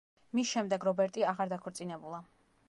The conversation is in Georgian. მის შემდეგ რობერტი აღარ დაქორწინებულა.